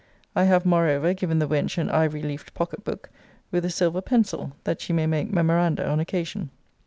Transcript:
I have moreover given the wench an ivory leafed pocket book, with a silver pencil, that she may make memoranda on occasion.